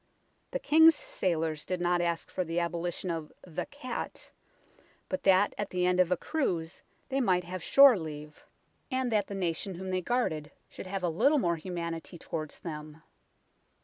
The King's sailors did not ask for the abolition of " the cat," but that at the end of a cruise they might have shore leave, and that the nation 124 UNKNOWN LONDON whom they guarded should have a little more humanity towards them.